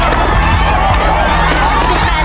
อันซ่อน